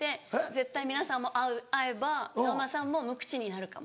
絶対皆さんも会えばさんまさんも無口になるかも。